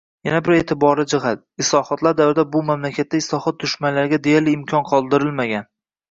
Yana bir e’tiborli jihat – islohotlar davrida bu mamlakatda islohot dushmanlariga deyarli imkon qoldirilmagan.